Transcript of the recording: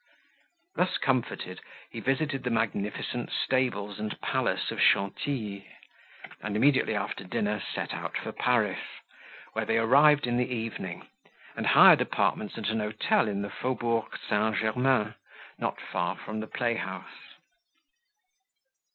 Thus comforted, he visited the magnificent stables and palace of Chantilly, and immediately after dinner set out for Paris, where they arrived in the evening, and hired apartments at an hotel in the Faubourg St. Germaine, not far from the playhouse.